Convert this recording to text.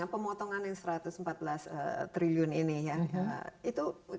pemotongan yang satu ratus empat belas triliun ini ya